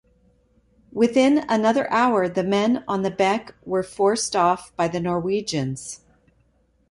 Within another hour, the men on the beck were forced off by the Norwegians.